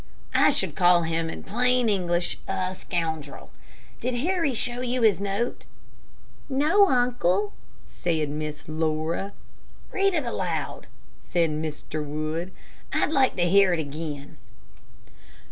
I should call him in plain English, a scoundrel. Did Harry show you his note?" "No, uncle," said Miss Laura. "Read it aloud," said Mr. Wood. "I'd like to hear it again."